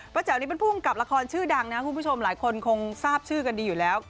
แจ๋วนี่เป็นผู้กำกับละครชื่อดังนะคุณผู้ชมหลายคนคงทราบชื่อกันดีอยู่แล้ว